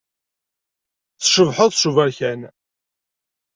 Tcebḥeḍ s uberkan.